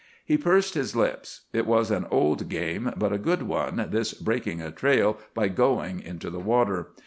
He pursed his lips. It was an old game, but a good one, this breaking a trail by going into the water.